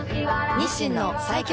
日清の最強